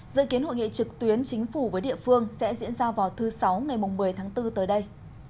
dự kiến hội nghị trực tuyến chính phủ với địa phương sẽ diễn ra vào thứ sáu ngày một mươi tháng bốn tới đây